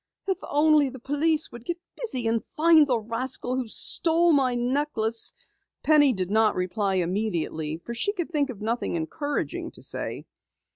If only the police would get busy and find the rascal who stole my necklace " Penny did not reply immediately, for she could think of nothing encouraging to say.